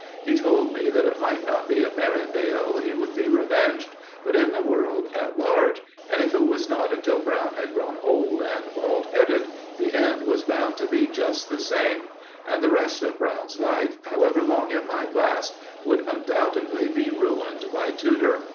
He told me that it might not be at Merivale he would be revenged, but in the world at large, and if it was not until Brown had grown old and bald headed, the end was bound to be just the same, and the rest of Brown's life, however long it might last, would undoubtedly be ruined by Tudor.